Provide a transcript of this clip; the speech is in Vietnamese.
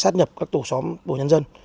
sát nhập các tổ xóm bộ nhân dân